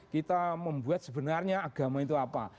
kita membuat sebenarnya agama itu apa